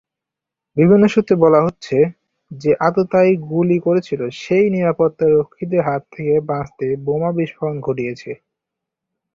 বিভিন্ন সূত্রে বলা হচ্ছে, যে আততায়ী গুলি করেছিল সে-ই নিরাপত্তা রক্ষীদের হাত থেকে বাঁচতে বোমা বিস্ফোরণ ঘটিয়েছে।